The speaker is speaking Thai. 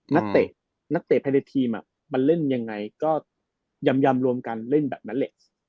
นักเตะนักเตะภายในทีมมันเล่นยังไงก็ยำรวมกันเล่นแบบนั้นแหละ